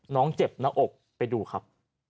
น้องเจ็บหน้าอกไปดูครับ